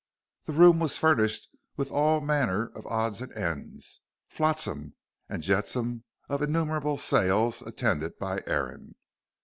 The room was furnished with all manner of odds and ends, flotsam and jetsam of innumerable sales attended by Aaron.